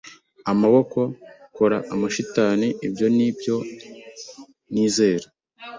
amaboko, kora amashitani. Ibyo ni byo nizera. ”